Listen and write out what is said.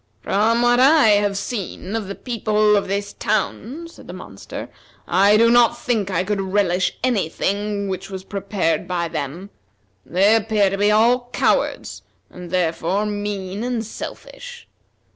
"From what I have seen of the people of this town," said the monster, "I do not think I could relish any thing which was prepared by them. They appear to be all cowards, and, therefore, mean and selfish.